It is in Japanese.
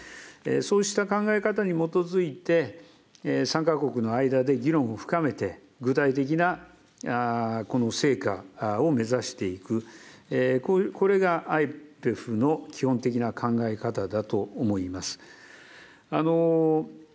そうした考え方に基づいて、参加国の間で議論を深めて、具体的な成果を目指していく、これがＩＰＥＦの基本的な考え方だと思います。